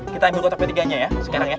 kita ambil kotak p tiga nya ya sekarang ya